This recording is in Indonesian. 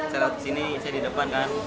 saya lewat sini saya di depan kan